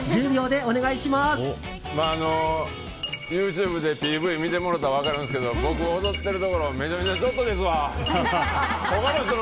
ＹｏｕＴｕｂｅでＰＶ見てもろたら分かるんですけど僕、踊ってるところめちゃめちゃ。